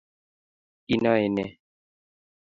inoe ne?